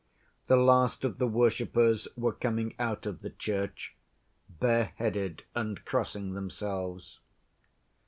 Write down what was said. The last of the worshippers were coming out of the church, bareheaded and crossing themselves.